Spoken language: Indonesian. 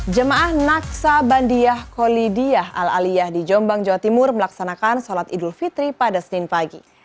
jemaah naksa bandiah kolidiyah al aliyah di jombang jawa timur melaksanakan sholat idul fitri pada senin pagi